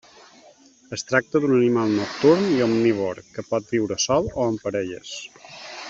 Es tracta d'un animal nocturn i omnívor, que pot viure sol o en parelles.